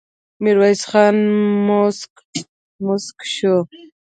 ميرويس خان موسک شو.